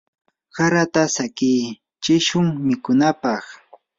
harata tsakichishun mikunapaq.